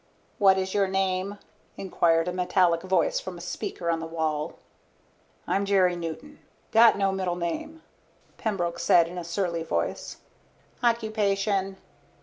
"What is your name?" queried a metallic voice from a speaker on the wall. "I'm Jerry Newton. Got no middle initial," Pembroke said in a surly voice. "Occupation?"